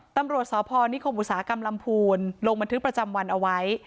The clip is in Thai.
ตำรวจสพนิคมอุตสาหกรรมลำพูนลงบันทึกประจำวันเอาไว้